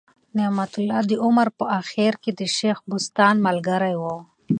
نعمت الله د عمر په آخر کي د شېخ بستان ملګری ؤ.